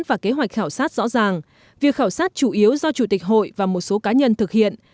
và kế hoạch khảo sát rõ ràng việc khảo sát chủ yếu do chủ tịch hội và một số cá nhân thực hiện